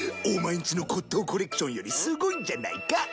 オマエんちの骨董コレクションよりすごいんじゃないか？